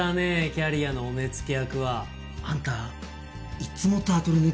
キャリアのお目付け役は。あんたいつもタートルネックだね。